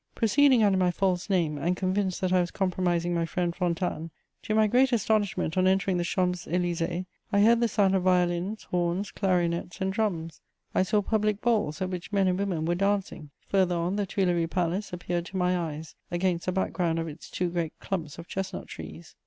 Proceeding under my false name, and convinced that I was compromising my friend Fontanes, to my great astonishment, on entering the Champs Élysées, I heard the sound of violins, horns, clarionets and drums. I saw public balls, at which men and women were dancing; farther on, the Tuileries Palace appeared to my eyes, against the background of its two great clumps of chestnut trees.